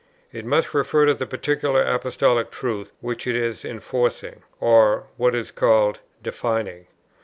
It must refer to the particular Apostolic truth which it is enforcing, or (what is called) defining.